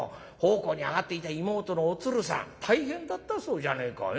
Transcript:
奉公に上がっていた妹のお鶴さん大変だったそうじゃねえか。